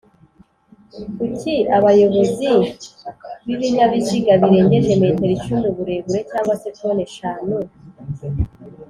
kuki abayobozi b’ibinyabiziga birengeje metero icumi uburebure cg se toni eshatu